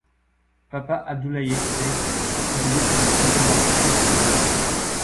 Papa Abdoulaye Seck a publié plus d'une centaine d'articles scientifiques.